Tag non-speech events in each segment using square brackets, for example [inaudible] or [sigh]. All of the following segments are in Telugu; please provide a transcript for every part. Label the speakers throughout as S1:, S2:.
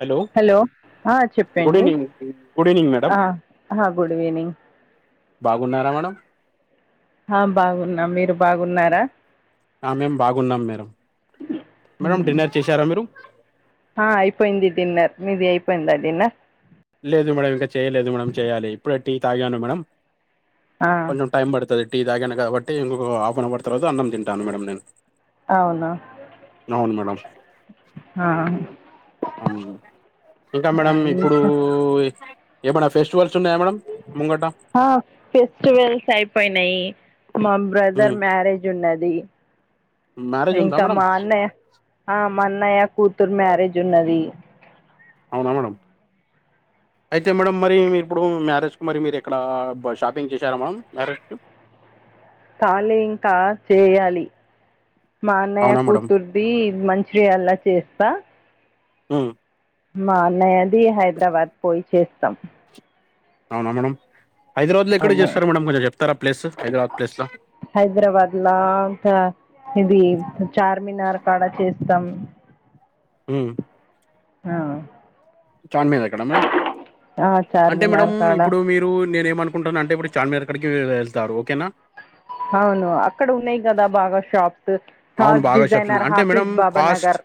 S1: హలో
S2: ఆ
S1: గుడ్
S2: చెప్పండి
S1: ఈవినింగ్ గుడ్ ఈవినింగ్ మేడం
S2: ఆ ఆ గుడ్ ఈవినింగ్
S1: బాగున్నారా మేడం.
S2: ఆ బాగున్నా మీరు బాగున్నారా?
S1: ఆ మేము బాగున్నాం మేడం మేడం డిన్నర్ చేశారా మీరు
S2: ఆ అయిపోయింది డిన్నర్. మీది అయిపోయిందా డిన్నర్
S1: లేదు మేడం ఇంకా చేయలేదు మేడం. చేయాలి ఇప్పుడు టీ తాగను మేడం.
S2: ఆ
S1: కొంచెం టైం పడుతుంది. టీ తాగాను కాబట్టి హాఫ్ అన్ అవర్ తర్వాత అన్నం తింటాను మేడం నేను.
S2: అవునా
S1: అవును మేడం
S2: ఆ
S1: అవును ఇంకా
S2: ఆ
S1: మేడంమ్ ఇప్పుడు
S2: ఇంకా
S1: ఏమన్నా ఫెస్టివల్స్ ఉన్నాయా మేడం ముంగట
S2: ఫెస్టివల్స్ అయిపోయినాయి. మా బ్రదర్
S1: ఉమ్.
S2: మ్యారేజ్ ఉన్నది.
S1: మ్యారేజ్ ఉందా
S2: ఇంకా
S1: మేడం
S2: మా అన్నయ్య ఆ మా అన్నయ్య కూతురు మ్యారేజ్ జున్నది
S1: అవునా మేడమ్ అయితే మేడమ్ మరి మీ ఇప్పుడు మ్యారేజ్ కి మరి మీరు ఇక్కడ షాపింగ్ చేశారా మేడం మ్యారేజ్ కి [inaudible]
S2: కాలే ఇంకా చేయాలి. మా అన్నయ్య
S1: అవునా మేడం
S2: కూతుర్ది మంచిగ అలా చేస్తా.
S1: మ్
S2: మా అన్నయ్యది హైదరాబాద్ పోయి చేస్తాం.
S1: అవునా మేడం. హైదరాబాద్ లో ఎక్కడ
S2: అవును
S1: చేస్తారో కొంచెం చెప్తార ఆ ప్లేస్ హైదరాబాద్ ప్లేస్లో
S2: హైదరాబాద్ లో ఒక ఇది చార్మినార్ కాడ చేస్తాం.
S1: మ్
S2: ఆ
S1: చార్మినార్ కాడ మేడమ్
S2: ఆ
S1: అంటే
S2: చార్మినార్
S1: మేడమ్
S2: కాడ
S1: ఇప్పుడు మీరు నేనే ఏమి అనుకుంటాన్నా అంటే ఇప్పుడు చార్మినార్ కాడికే వెళ్తారు ఓకేనా
S2: అవును అక్కడ ఉన్నాయి కదా బాగా షాప్స్
S1: అవును
S2: థాట్
S1: బాగా చెప్తున్నారు.
S2: డిజైనర్
S1: అంటే మేడం
S2: హాఫీజ్ బాబా
S1: కాస్ట్
S2: నగర్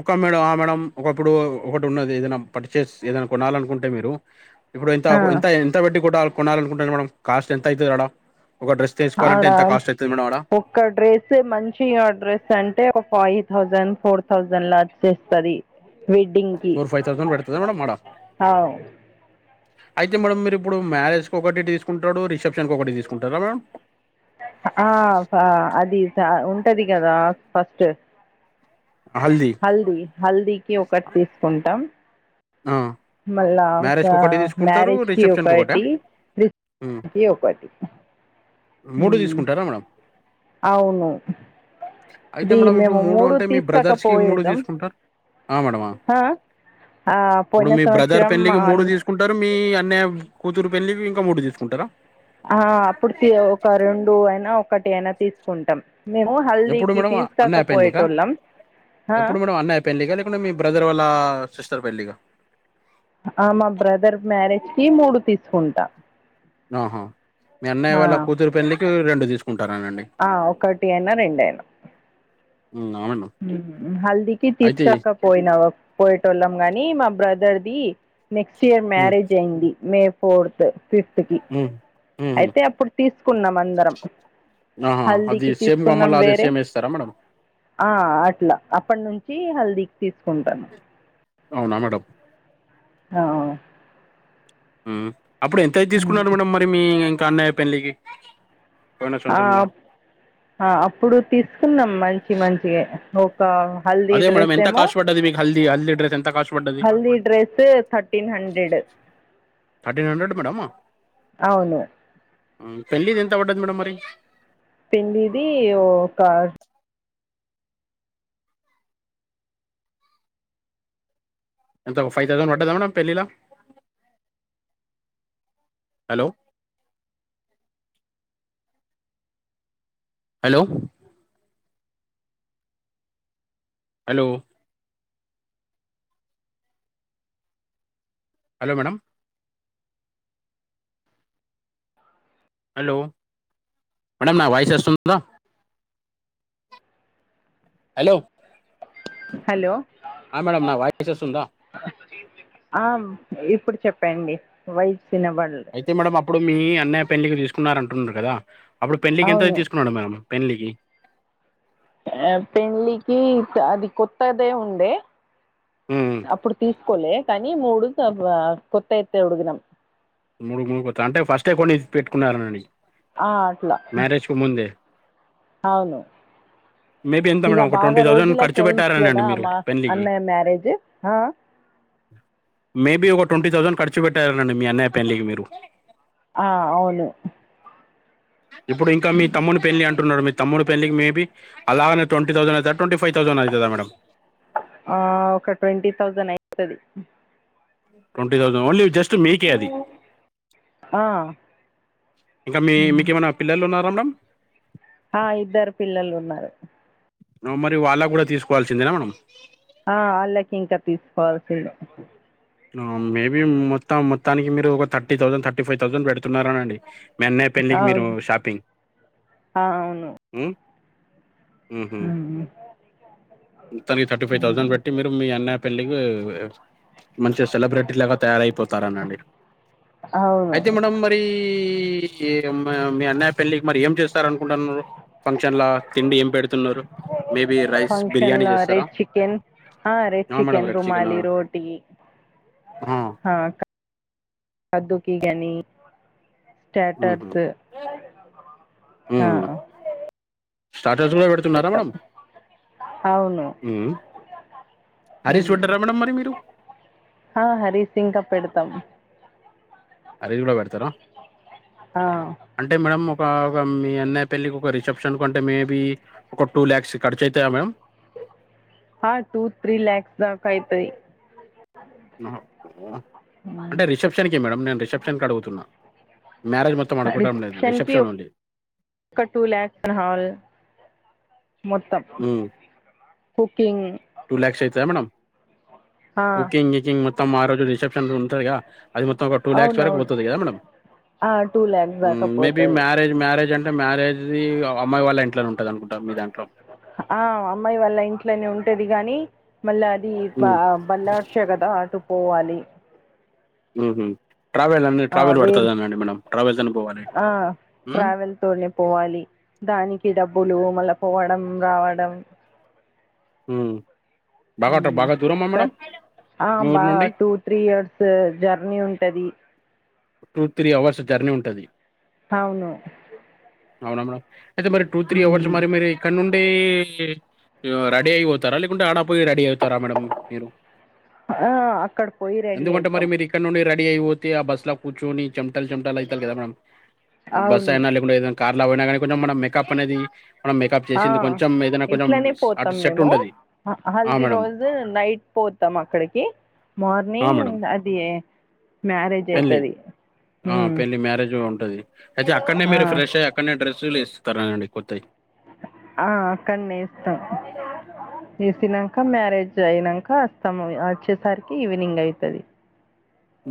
S1: ఒకే మేడం. మేడం ఒకప్పుడు ఒక ఉన్నది ఏదనా పర్చేజ్ ఏదైనా కొనాలనుకుంటే మీరు ఇప్పుడు
S2: ఆ
S1: ఎంత బెట్టి కొనాలనుకుంటారు. కొనాల అనుకుంటన్నారు మేడం కాస్ట్ ఎంత అవుతుంది మేడమ్
S2: ఆడా ఒక్క డ్రెస్ మంచి అంటే ఫైవ్ థౌజండ్ ఫోర్ థౌజండ్ లో వచ్చేస్తాది. వెడ్డింగ్ కి
S1: ఫోర్ ఫైవ్ థౌసండ్ పెడుతుంది మేడం ఆడ
S2: అవ్
S1: అయితే మేడమ్ మీరు ఇప్పుడు మ్యారేజ్ కి ఒకటి తీసుకుంటారు, రిసెప్షన్ కి ఒకటి తీసుకుంటారా మేడమ్.
S2: ఆ అది ఉంటది కదా ఫస్ట్ హల్దీ, హల్దీకి ఒకటి తీసుకుంటాం.
S1: ఆమ్
S2: మళ్ళా ఒక మ్యారేజ్ కి
S1: రిసెప్షన్కి ఒకటా
S2: ఒకటి
S1: మ్మ్.
S2: రిసెప్షన్ కి ఒక ఒకటి. హు
S1: మూడు తీసుకుంటారా మేడం
S2: అవును
S1: అయితే
S2: ఇది
S1: మేడం ఇప్పుడు
S2: మేము మూడు
S1: అంటే మీ
S2: తీసుకోక
S1: బ్రదర్స్కి మూడు
S2: పోయిదాం
S1: తీసుకుంటారు ఆ మేడమ ఇప్పుడు
S2: పోయిన
S1: మీ బ్రదర్
S2: సంవత్సరం మా
S1: పెళ్ళలికి మూడు తీసుకుంటారు మీ అన్నయ కూతురు పెళ్లికి ఇంక మూడు తీసుకుంటార
S2: ఆ అప్పుడు ఒక రెండు అయినా ఒకటి అయినా తీసుకుంటాం మేము
S1: ఎప్పుడు
S2: హల్దీకి
S1: మేడం
S2: తీసు కొక
S1: అన్నయ్య పెళ్ళికా
S2: పోయేటోళ్ళం
S1: ఎప్పుడు మేడంమ్ అన్నయ్య పెళ్ళిక లేకుంటే మీ బ్రదర్ వాళ్ళ సిస్టర్ పెళ్ళిక
S2: ఆ మా బ్రదర్ మ్యారేజ్ కి మూడు తీసుకుంటా
S1: ఆహా మీ అన్నయ్య
S2: ఆ
S1: వాళ్ళ కూతురు పెళ్లికి రెండు తీసుకుంటారానండి
S2: ఆ ఒకటి అయినా రెండైన
S1: మ్మ్, ఆ మేడం
S2: హల్దీకి
S1: అయితే
S2: తీసుకొకపోయినా పోయేతోళ్ళం గాని బ్రదర్ ది నెక్స్ట్ ఇయర్
S1: మ్మ్,
S2: మ్యారేజ్ అయింది మే ఫోర్త్ ఫిఫ్త్ కి
S1: మ్మ్, మ్మ్, మ్మ్.
S2: అయితే అప్పుడు తీసుకున్నాం అందరం
S1: ఆహా అది
S2: హల్దీకి
S1: సేమ్
S2: తీసుకున్నాం
S1: మళ్ళీ అదే
S2: వేరే
S1: సేమ్ వేస్తారా మేడం
S2: ఆ అట్ల అప్పటి నుం చి హల్దీకి తీసుకుంటాను
S1: అవునా మేడం
S2: అ
S1: అప్పుడు ఎంతయితే తీసుకున్నారు మేడంమ్ మరి మీ ఇంక అన్నయ్య పెళ్ళికి
S2: ఆ అప్పుడు తీసుకుంన్నం మంచి మంచివే హల్దీ
S1: అదే మేడం
S2: డ్రెస్
S1: ఎంత
S2: ఏమో
S1: కాస్ట్ పడ్డది మీకు హల్దీ హల్దీ డ్రెస్ ఎంత కాస్ట్ పడ్డది?
S2: హల్దీ డ్రెస్ ఎ థర్టీన్ హ హండ్రెడు
S1: థర్టీన్ హండ్రెడ్ మేడమ్
S2: అవును
S1: పెళ్లిది ఎంత పడ్డది మేడం మరి
S2: పెళ్ళిది ఇక
S1: ఎంత ఫైవ్ థౌజండ్ [unintelligible] మ్యాడం పెళ్ళిలో hello hello hello hello madam hello madam నా వాయిస్ వస్తుంద హలో
S2: హలో
S1: మేడం నా వాయిస్ వస్తుందా
S2: ఆ ఇప్పుడు చెప్పండి [unintelligible]
S1: అయితే మేడం అప్పుడు మీ అన్నయ్య పెళ్ళకి తీసుకున్నార అంటున్నారు కదా అప్పుడు పెళ్ళలికి ఎంత
S2: అవును
S1: తీసుకున్నాడు మేము పెన్లికి
S2: ఆ పెళ్ళికి అది కొత్తదే ఉండే
S1: హ్మ్.
S2: అప్పుడు తీసుకోలే కానీ మూడు కొత్త అయితే [unintelligible]
S1: మూడు మూడు కొ అంటే ఫస్టే కొన్ని పెట్టుకున్నారండి
S2: ఆ అట్ల అవును
S1: మేబీ ఎంత
S2: ఇగ
S1: మేడం ఒక
S2: బాగ
S1: ట్వంటీ థౌసండ్
S2: రోజులకి
S1: ఖర్చు పెట్టారనండి
S2: అయిందిగదా
S1: మీరు
S2: అమ్మా
S1: పెళ్లికి
S2: అన్నయ్య మ్యారేజ్
S1: మేబీ ఒక ట్వంటీ థౌసండ్ ఖర్చు పెట్టారుండి మీ అన్నయ పెలికి మీరు
S2: ఆ అవును
S1: ఇప్పుడు ఇంక మీ తమ్ముడి పెళ్లి అంటున్నారు మీ తమ్ముడి పెళ్లికి మేబ అలాగనే ట్వంటీ థౌండ్ అవు [unintelligible] [unintelligible]
S2: ఆ ఒక ట్వంటీ థౌజండ్ అయితది
S1: ట్వంటి దౌసండ్ ఓన్లీ జస్ట్ మీకే అది
S2: ఆ
S1: ఇంకా మీ మీకు ఏమైనా పిల్లలు ఉన్నారా మేడమ్
S2: ఆ ఇద్దరు పిల్లలు ఉన్నారు
S1: మరి వాళ్ళ కూడా తీసుకోవాల్సిందేనా మేడం
S2: ఆ అల్లాకి ఇంకా తీసుకోవాల్సి ఉండే
S1: మేబీ మొత్తం మొత్తానికి మీరు ఒక thirty thousand thirty five thousand పెడుతున్నారు అనండి మీ అన్నయ్య పెళ్ళికి మీరు
S2: అవును
S1: షాపింగ్
S2: ఆ అవును
S1: ఉ ఉహు
S2: ఉమ్
S1: తనికి థర్టీ ఫైవ్ థౌసండ్
S2: ఉమ్
S1: పెట్టి మీరు మీ అన్నయ పెళ్లి మంచిగా సెలబ్రిటీ లాగా తయారైపోతారు అనండి
S2: అవును
S1: అయితే మేడం మరి ఈ మా మీ అన్నయ్య పెళ్ళికి మరి ఏం చేస్తార అనుకుంటున్నారు ఫంక్షన్ల తిండి ఏం పెడు న్నారు మేబి రైస్
S2: ఫంక్షన్
S1: బిర్యానీ
S2: లో
S1: చేస్తారా
S2: రెడ్ చికెన్ ఆ రెపు చికెన్ రుమాలి రోటీ
S1: ఆ
S2: హా కద్దుకి గనీ
S1: మ్మ్
S2: స్టాటర్స్ హ
S1: మ్మ్ స్టార్టర్స్ కూడా పెడుతున్నారా మేడం
S2: అవును
S1: మ్మ్ హరీస్ పెట్టారా మేడం మరి మీరు
S2: హు హరి సింకా పెడతాం
S1: అరవి కూడా పెడతారా
S2: ఆ
S1: అంటే మేడం ఒక ఒక మీ అన్నయ్య పే పెళ్ళికి ఒక రిసెప్షన్ అంటే మేబి ఒక టూ ల్యాక్స్ ఖర్చు అయితాదా మేడం
S2: హ టూ త్రీ ల్యాక్స్ దాకా అయితాయి
S1: ఆహా అంటే రిసెప్షన్కి మేడం నేను రిసెప్షన్కి అడుగుతున్నా మ్యారేజ్ మొత్తం అడుకోవడం లేదు reception only
S2: for two lakhs on hall మొత్తం
S1: మ్మ్
S2: కుకింగ్
S1: టూ ల్యాక్స్ అయితదా మేడం
S2: ఆ
S1: కుకింగ్ వికింగ్ మొత్తం ఆ రోజు రసెప్షన్ ఉంతాదిగా అది మొత్తం ఒక టూ ల్యాక్స్ వరకు
S2: అవునవును
S1: పోతది కదా మేడం
S2: ఆ టూ ల్యాక్స్ దాకా
S1: మేబీ
S2: పోతది
S1: మ్యారేజ్ మ్యారేజ్ అం టే మ్యారేజ్ది అమ్మాయి వాళ్ళ ఇంట్లోనే ఉంటది అనుకుంటా మీ దాంట్లో
S2: ఆ అమ్మాయి వాళ్ళ ఇంట్లోనే ఉంటది గాని మళ్ళీ అది బ [unintelligible] అటు పోవాలి
S1: ఉహు ట్రావెల్ అని
S2: ఆ
S1: ట్రావెల్
S2: వేర్
S1: పడుతది అనండి మేడం ట్రావెల్స్ అన్నీ పోవాలి
S2: ఆ
S1: ఉమ్,
S2: ట్రావెల్ తోనే పోవాలి దానికి డబ్బులు మళ్ళ పోవడం రావడం
S1: ఉ బాగా బాగా దురమా మేడం
S2: సార్ ఆ
S1: మీ ఊరు
S2: బాగా
S1: నుండి
S2: టూ త్రీ ఇయర్స్ జర్నీ ఉంటది
S1: టూ త్రీ అవర్స్ జర్నీ ఉంటది
S2: అవును
S1: అవునా మేడం అయితే మరి టూ త్రీ అవర్స్
S2: ఉమ్
S1: మరి మరి ఇక్కడ నుండి పే ఇగ రెడీ అయిపోతారా లేకుంటే ఆడ పోయి రెడీ అయితారా మేడం మీరు
S2: ఆ అక్కడ పోయి రెడీ
S1: ఎందుకంటే మరి
S2: అయితాం
S1: మీరు ఇక్కడ నుండి రెడీ డి అయి పోతే ఆ బస్ కూర్చోని చమటల్ చమటల్ అయితది కదా మేడం ఉ బస్
S2: అవును
S1: అయిన లేకుంటే ఏదైనా కార్ లో పోయినా కానీ కొంచెం మనం మేకప్ అనేది మనం మేకప్
S2: ఆ
S1: చేసింది కొంచెం ఏదైనా కొంచెం అటు సెట్ ఉండది
S2: హా హల్ది రోజు నైట్ పోతాం అక్కడికి
S1: ఆ
S2: మార్నింగ్
S1: మేడం
S2: అది మ్యారేజ్
S1: పెళ్లి
S2: అయితది
S1: ఆ
S2: ఉమ్
S1: పెళ్లి మ్యారేజ్ ఉంటది అయితే అక్కడనే
S2: ఆ
S1: మీరు ఫ్రెష్ అ అక్కడనే డ్రెస్సులు ఏస్తార అండి
S2: ఆ అక్కనే ఏస్తా వేసినాక మ్యారేజ్ అయినాక వస్తాము వచ్చేసరికి ఈవినింగ్ అయితది,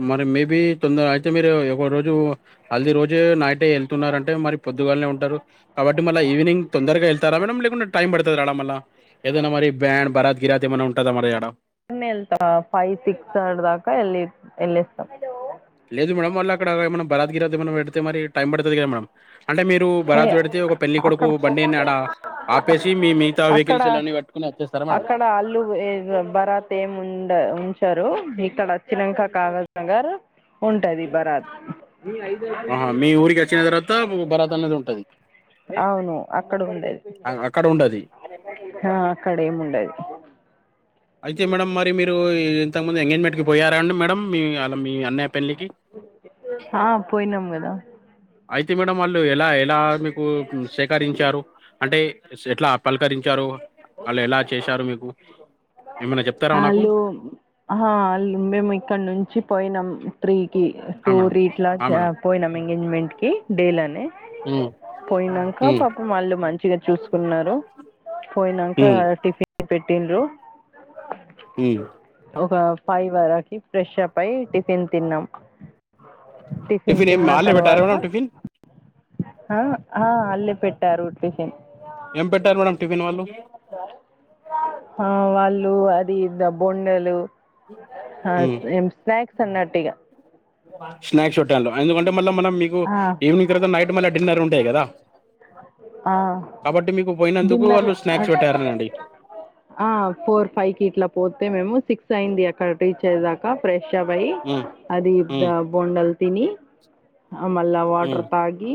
S1: మరి మేబీ తొందర అయితే మీరు ఒక రోజు హల్దిీ రోజే నైటే వెళ్తున్నారంటే మరి పొద్దుగాలానే ఉంటారు కాబట్టి మళ్ళా ఈవినింగ్ తొందరగా వెళ్తారా మేడం లేకుండా టైం పడుతదా రాడా మళ్ళ ఇగా మరి బ్యాండ్ బరాత్ గిరాత్ ఏమాన్నా ఉంటందా మరి అక్కడ
S2: నినే వెళ్తా ఫైవ్ సిక్స్ అర్ దాకా ఎళ్లి వస్తాన్
S1: లేదు మేడం మళ్ళ అక్కడ ఏనా బరాత్ గిరాత్ ఏమనా పెడితే మరి టైం పడుతది కదా మేడం అంటే మీరు భరాత్ పెడితే ఒక పెళ్లి కొడుకు
S2: అక్కడ
S1: బండిని అడ ఆపేసి మీ మిగతా వెహికల్స్ ఇలా
S2: అక్కడ అక్కడ అల్లు బరాత్ ఏం ఉండ ఉంచారు ఇక్కడ వచ్చినంక కాగజ్ నగర్ ఉంటది బరాత్
S1: ఆహా మీ ఊరికి వచ్చిన తర్వాత భరాత్ అనేది ఉంటది
S2: అవును అక్కడ ఉండేది
S1: అక్కడ ఉండదు
S2: ఆ అక్కడ ఎం ఉండది
S1: అయితే మేడమ్ మరి మీరు ఇంతకుమంది ఎంగేజ్మెంట్ కి పోయార అండి మేడం మీ అ
S2: ఆ పోయినం కదా
S1: అయితే మేడం వాళ్ళు ఎలా ఎలా మీకు సేకరించారు అంటే ఎట్లా పలకరించారు వాళ్ళు ఎలా చేశారు మీకు ఏమైనా చెప్తారా నాకు
S2: వాళ్ళు మేము ఇక్కడ నుంచి పోయినాం త్రీ
S1: ఆ
S2: టూ
S1: మేడం
S2: రీట్లా
S1: ఆ మేడం
S2: పోయినాం ఎంగేజ్మెంట్ కి డేలానే
S1: ఉమ్,
S2: పోయినాక
S1: ఉమ్,
S2: పాపం వాళ్ళు మంచిగా చూసుకున్నారు పోయినాక
S1: ఉమ్,
S2: టిఫిన్ పెటిల్లు
S1: ఉ
S2: ఒక ఫైవ్ వరకి ఫ్రెష్ప్ అయి టిఫిన్ తిన్నాం టిఫిన్
S1: ఏం
S2: తిన్న
S1: వాళ్ళే పెట్టారా
S2: తర్వాత
S1: మేడం టిఫిన్
S2: ఆ ఆ అలే పెట్టారు టిఫిన్
S1: ఏం పెట్టారు మేడం టిఫిన్ వాళ్ళు
S2: ఆ వాళ్ళు అది బొండలు
S1: మ్మ్.
S2: ఆం స్నాక్స్ అన్నటు ఇగా
S1: స్నాక్స్ చుట్టాంలో ఎందుకంటే మళ్ళా మనం మీకు
S2: ఆ
S1: ఈవినింగ్ తర్వాత నైట్ మళ్ళీ డిన్నర్ ఉంటాయి కదా
S2: ఆ
S1: కాబట్టి మీకు పోయినందుకు
S2: డిన్నర్
S1: వాళ్ళు
S2: లా
S1: స్నాక్స్ పెట్టారనండి
S2: ఆ ఫోర్ ఫైవ్ కి ఇట్లా పోతే మేము సిక్స్ అయింది అక్కడ రీచ్ అయ్యాకా ఫ్రెష్ అప్ అయ్యి
S1: మ్మ్.
S2: అది
S1: మ్మ్.
S2: బోండల్ తిని ఆ మళ్ల వాటర్
S1: మ్మ్.
S2: తాగి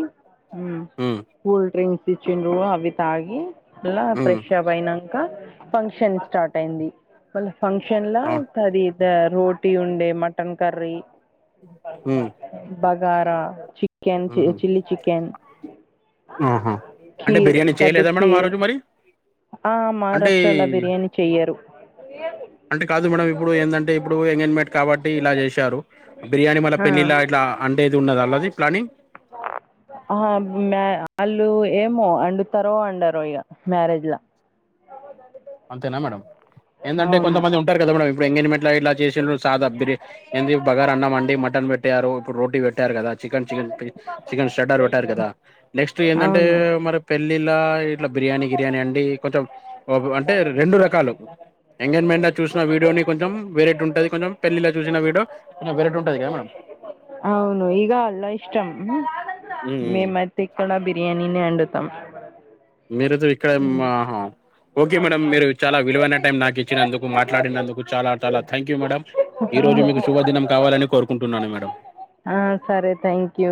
S2: ఉ
S1: మ్మ్.
S2: కూల్ డ్రింక్స్ తెచ్చిళ్ళు అవి తాగి మళ్ల
S1: మ్మ్.
S2: ఫ్రెష్ అప్ అయినం కా ఫంక్షన్ స్టార్ట్ అయింది మళ్ళ ఫంక్షన్ లా
S1: అవును.
S2: అది ద రోటీ ఉండే మటన్ కర్రీ,
S1: మ్మ్.
S2: బగారా చికెన్
S1: మ్మ్.
S2: చిల్లీ చికెన్
S1: ఆహా అంటే
S2: కీర్
S1: బిర్యానీ
S2: కద్దుూ
S1: చేయలేదా మేడం ఆ
S2: కీర్
S1: రోజు మరి
S2: ఆ
S1: అంటే
S2: మహారాష్ట్రలా బిర్యానీ చెయ్యారు
S1: అంటే కాదు మేడం ఇప్పుడు ఏంటంటే ఇప్పుడు ఎంగేంజ్మెట్ కాబట్టి ఇలా చేశారు బిర్యానీ మళ
S2: ఆ!
S1: పెళ్లిళ్లా ఇట్లా అంటే ఇది ఉండదా ఆలది
S2: ఆ మ్య ఆలు ఏమో వండుతారో వండారో ఇగా మ్యారేజ్లా
S1: అంతేనా మేడం ఏందంటే కొంతమంది ఉంటారు కదా మేడం ఇప్పు ఎంగేజ్మెంట్ ఇట్లా చేసిరు సాదా బగార అన్నాం వండిరు మటన్ పెట్టారు ఇప్పుడు రోటీ పె పెట్టారు కదా చికెన్ చికెన్ స్టటర్ పెట్టారు కదా నెక్స్ట్ ఏందంటే
S2: అవును.
S1: మరి పెళ్ళిలా ఇట్లా బిర్యానీ గిర్యానీ అండి కొంచెం అంటే రెండు రకాలు ఎంగేజ్మెంట్లో చూసిన వీడియోని కొంచెం వెరైటీ ఉంటంది కొంచెం పెళ్లిల చూసిన వీడియో వెరైటీ ఉంటది కదా మేడం
S2: అవును ఇగా అలా ఇష్టం మేమైతే ఇక్కడ బి బిర్యానీనే వండుతం
S1: మీరైతే ఇక్కడ మా ఓకే మేడం మీరు చాలా విలువైన టైం నాకు ఇచ్చినందుకు మాట్లాడినందుకు చాలా చాలా థ్యాంక్ యూ మేడం ఈ రోజు
S2: ఆ
S1: మీకు
S2: [unintelligible]
S1: శుభదినం కావాలని కోరుకుంటున్నాను మేడం
S2: ఆ సరే థ్యాంక్ యూ